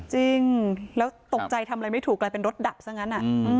จริงแล้วตกใจทำอะไรไม่ถูกกลายเป็นรถดับซะงั้น